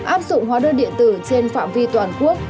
áp dụng hóa đơn điện tử trên phạm vi toàn quốc